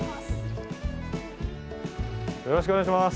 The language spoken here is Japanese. よろしくお願いします。